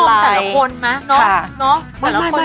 รสชาติคริ้มทั้งลองแต่ละคนเลยนะสักคนชอบได้แหละ